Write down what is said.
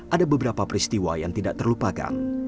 ada beberapa peristiwa yang tidak terlupakan